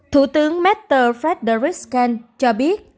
thủ tướng maitre frederikskan cho biết